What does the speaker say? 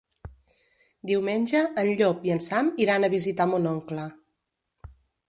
Diumenge en Llop i en Sam iran a visitar mon oncle.